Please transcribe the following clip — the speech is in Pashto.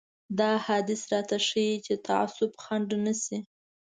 دا حديث راته ښيي چې تعصب خنډ نه شي.